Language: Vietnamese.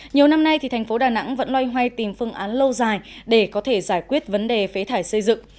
nhiều năm nay thành phố đà nẵng vẫn loay hoay tìm phương án lâu dài để có thể giải quyết vấn đề phế thải xây dựng